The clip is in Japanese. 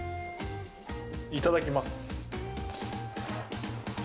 いただきます。